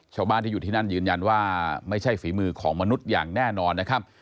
ชาวบ้านที่อยู่ที่นั่นยืนยันว่าไม่ใช่ฝีมือของมนุษย์อย่างแน่นอนนะครับ